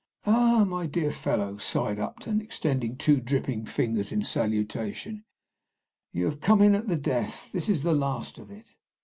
"Ah, my dear fellow," sighed Upton, extending two dripping fingers in salutation, "you have come in at the death. This is the last of it!"